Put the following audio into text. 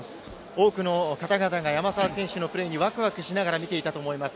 多くの方々が山沢選手のプレーにはワクワクしながら見ていたと思います。